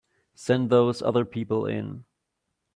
Send those other people in.